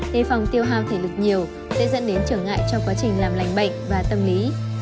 đề phòng tiêu hao thể lực nhiều sẽ dẫn đến trở ngại trong quá trình làm lành bệnh và tâm lý